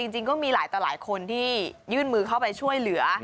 จริงก็มีหลายต่อหลายคนที่ยื่นมือเข้าไปช่วยเหลือ